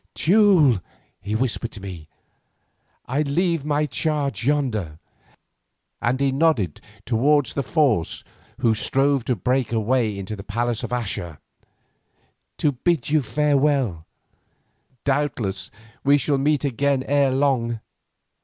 "Teule," he whispered to me, "I leave my charge yonder," and he nodded towards the force who strove to break a way into the palace of Axa, "to bid you farewell. Doubtless we shall meet again ere long.